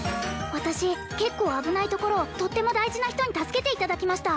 私結構危ないところをとっても大事な人に助けていただきました